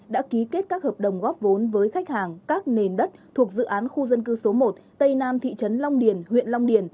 đã ký kết các hợp đồng góp vốn với khách hàng các nền đất thuộc dự án khu dân cư số một tây nam thị trấn long điền huyện long điền